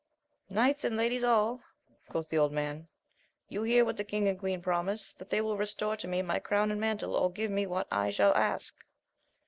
Knights and ladies all ! quoth the old man, you hear what the king and queen promise ! that they will restore to me my crown and mantle, or give me what I shall ask